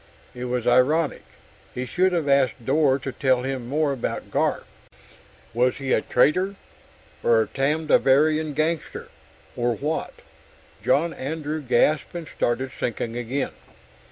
It was ironic. He should have asked Dor to tell him more about Garf was he a traitor, or a Tamdivarian gangster, or what? John Andrew gasped and started sinking again....